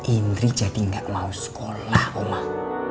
indri jadi gak mau sekolah omah